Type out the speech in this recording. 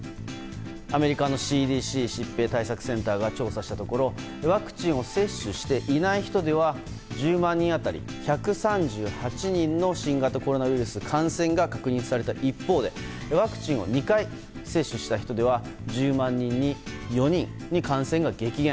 アメリカのＣＤＣ・疾病予防管理センターが調査したところワクチンを接種していない人では１０万人当たり１３８人の新型コロナウイルス感染が確認された一方でワクチンを２回接種した人では１０万人に４人に感染が激減。